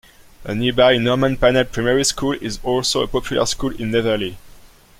The nearby Norman Pannell Primary School is also a popular school in Netherley.